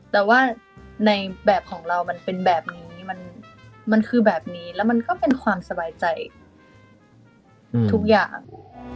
แต่ว่าในแบบของเรามันเป็นแบบนี้มันคือแบบนี้แล้วมันก็เป็นความสบายใจทุกอย่าง